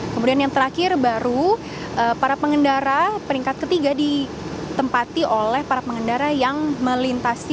kemudian yang terakhir baru para pengendara peringkat ketiga ditempati oleh para pengendara yang melintasi